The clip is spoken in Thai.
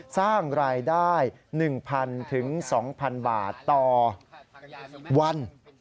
สร้างรายได้๑๐๐๒๐๐๐บาทต่อวัน